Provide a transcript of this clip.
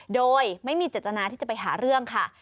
โดยไม่มีเจตนาที่จะไปหาเรื่องค่ะ